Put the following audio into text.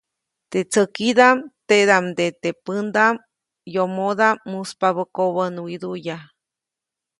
Teʼ tsäkidaʼm, teʼdaʼmde teʼ pändaʼm yomodaʼm muspabä kobänwiduʼya.